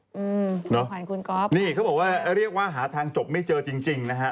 อืมน้องขวัญคุณก๊อฟนี่เขาบอกว่าเรียกว่าหาทางจบไม่เจอจริงจริงนะฮะ